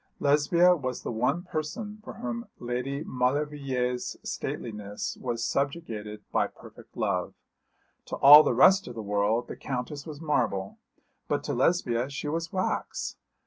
Lesbia was the one person for whom Lady Maulevrier's stateliness was subjugated by perfect love. To all the rest of the world the Countess was marble, but to Lesbia she was wax.